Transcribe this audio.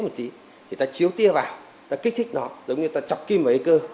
thì ta chiếu tia vào ta kích thích nó giống như ta chọc kim vào cái cơ